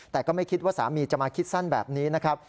แต่ก็ไม่คิดว่าสามีจะมาคิดสั้นแบบนี้นะครับ